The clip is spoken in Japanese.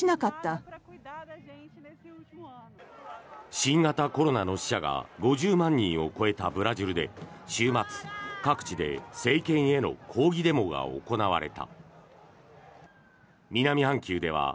新型コロナの死者が５０万人を超えたブラジルで週末、各地で政権への抗議デモが行われた。